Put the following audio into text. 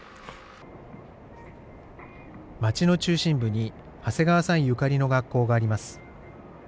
町の中心部に、長谷川さんゆかりの学校があります。